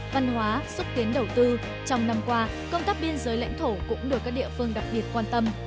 văn hóa xúc tiến đầu tư trong năm qua công tác biên giới lãnh thổ cũng được các địa phương đặc biệt quan tâm